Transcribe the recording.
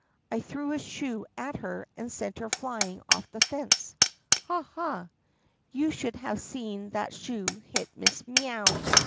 "I threw a shoe at her and sent her flying off the fence. Ha ! ha ! You should have seen that shoe hit Miss Mee ow